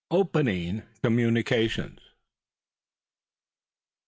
OPENING COMMUNICATIONS.